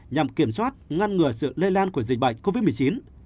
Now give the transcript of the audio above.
nhằm kiểm soát ngăn ngừa sự lây lan của dịch bệnh covid một mươi chín